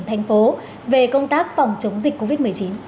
thành phố về công tác phòng chống dịch covid một mươi chín